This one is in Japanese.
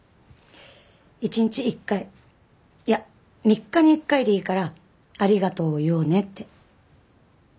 １日１回いや３日に１回でいいから「ありがとう」を言おうねって。